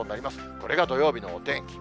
これが土曜日のお天気。